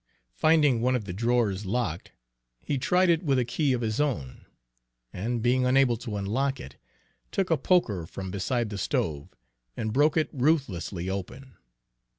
Finding one of the drawers locked, he tried it with a key of his own, and being unable to unlock it, took a poker from beside the stove and broke it ruthlessly open.